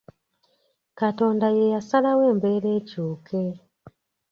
Katonda ye yasalawo embeera ekyuke !